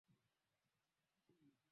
chini ya miaka kumi na saba